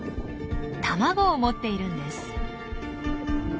卵を持っているんです。